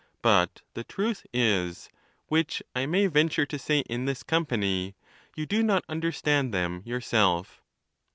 But the truth is (which I may venture to say in this company), you do not under stand them yourself.